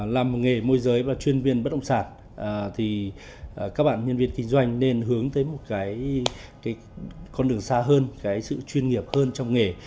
làm nghề môi giới và chuyên viên bất hồng sản thì các bạn nhân viên kinh doanh nên hướng tới một con đường xa hơn sự chuyên nghiệp hơn trong nghề